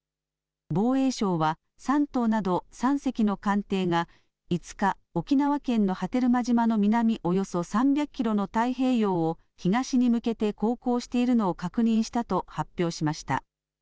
防衛省は山東など３隻の艦艇が５日、沖縄県の波照間島の南およそ３００キロの太平洋を東に向けて航行しているのを確認したと発表しました。